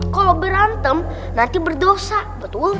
kalau berantem nanti berdosa betul